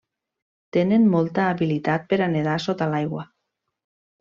Tenen molta habilitat per a nedar sota l'aigua.